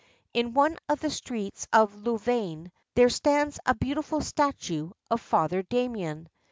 In one of the streets of Louvain there stands a beautiful statue of Father Damien.